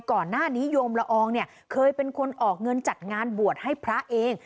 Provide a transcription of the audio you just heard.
ก่อนหน้านี้โยมละอองเคยเป็นคนออกเงินจัดงานบวชให้พระเอง